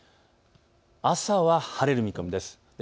朝は晴れる見込みです。